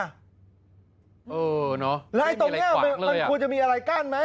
เออเนาะไม่มีอะไรกว้างเลยอ่ะลายตรงนี้มันควรจะมีอะไรกั้นไหม